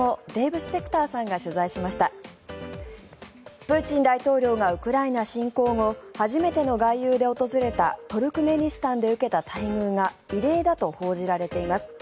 プーチン大統領がウクライナ侵攻後初めての外遊で訪れたトルクメニスタンで受けた待遇が異例だと報じられています。